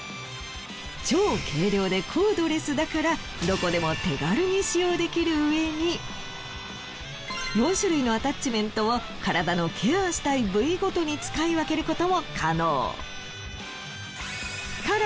超軽量でコードレスだからどこでも手軽に使用できるうえに４種類のアタッチメントを体のケアしたい部位ごとに使い分けることも可能。